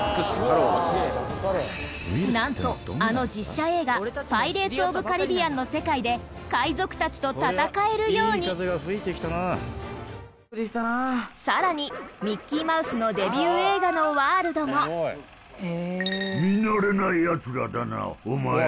なんと、あの実写映画『パイレーツ・オブ・カリビアン』の世界で海賊たちと戦えるように更に、ミッキーマウスのデビュー映画のワールドも見慣れないヤツらだな、お前ら。